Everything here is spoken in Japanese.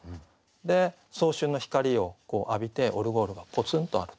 で早春の光を浴びてオルゴールがぽつんとあると。